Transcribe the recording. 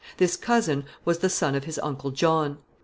This cousin was the son of his uncle John.